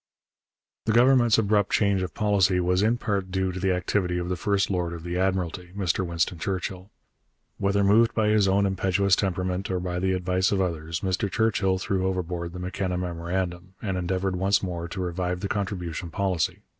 The Government's abrupt change of policy was in part due to the activity of the first lord of the Admiralty, Mr Winston Churchill. Whether moved by his own impetuous temperament or by the advice of others, Mr Churchill threw overboard the M'Kenna memorandum, and endeavoured once more to revive the contribution policy.